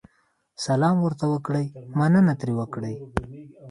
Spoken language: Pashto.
سلام ورته وکړئ، مننه ترې وکړئ.